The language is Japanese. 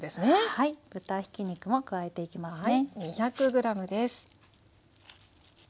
はい豚ひき肉も加えていきますね。